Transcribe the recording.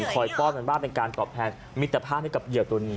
คอยป้อมันบ้านให้กลับแพทย์มีแต่ผ้าให้กับเยี่ยวตัวนี้